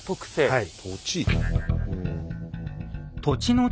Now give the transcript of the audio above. はい。